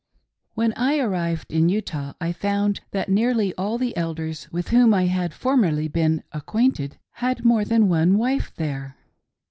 WHEN I arrived in Utah I found that nearly all the Elders with whom I had formerly been acquainted had more than one wife there.